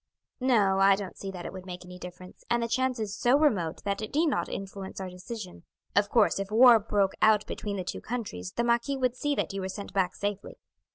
"No, I don't see that it would make any difference, and the chance is so remote that it need not influence our decision. Of course if war broke out between the two countries the marquis would see that you were sent back safely.